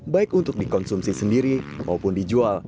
baik untuk dikonsumsi sendiri maupun dijual